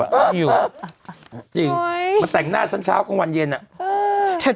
เอ้าเอ้าจริงมันแต่งหน้าฉันเช้าก้นกลบยันใหน